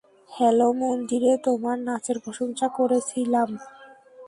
Hello মন্দিরে তোমার নাচের প্রশংসা করেছিলাম।